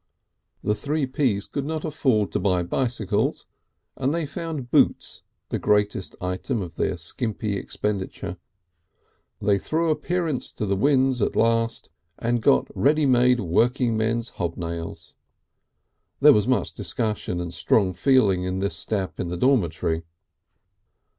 The Three Ps could not afford to buy bicycles and they found boots the greatest item of their skimpy expenditure. They threw appearances to the winds at last and got ready made workingmen's hob nails. There was much discussion and strong feeling over this step in the dormitory.